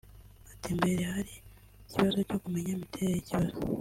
Ati "Mbere hari ikibazo cyo kumenya imiterere y’ ikibazo